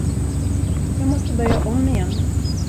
Jag måste börja om igen.